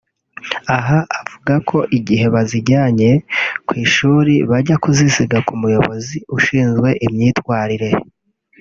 Aha avuga ko igihe bazijyanye ku ishuri bazajya bazisiga ku muyobozi ushinzwe imyitwarire